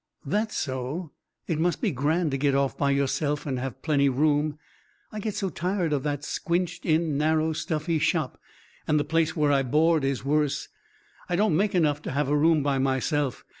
"That's so. It must be grand to get off by yourself and have plenty room. I get so tired of that squinched in, narrow, stuffy shop; and the place where I board is worse. I don't make enough to have a room by myself.